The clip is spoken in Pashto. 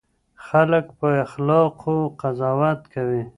خلک په اخلاقو قضاوت کوي.